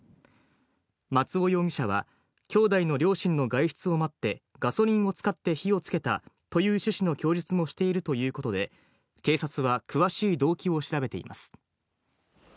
松尾容疑者は兄弟の両親の外出を待って、ガソリンを使って火をつけたという趣旨の供述もしているということで、警察は詳しい動機を調べています。